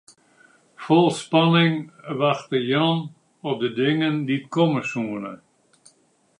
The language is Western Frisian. Fol spanning wachte Jan op de dingen dy't komme soene.